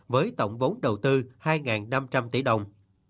với tổng vốn đầu tư hai năm trăm linh tỷ đồng